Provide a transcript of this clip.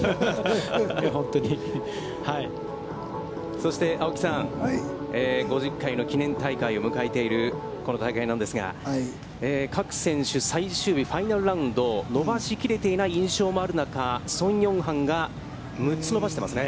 そして、青木さん、５０回の記念大会を迎えているこの大会なんですが、各選手、最終日、ファイナルラウンド、伸ばしきれていない印象もある中、宋永漢が６つ伸ばしていますね。